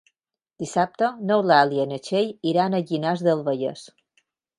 Dissabte n'Eulàlia i na Txell iran a Llinars del Vallès.